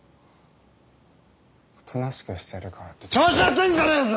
おとなしくしてるからって調子乗ってんじゃねえぞ！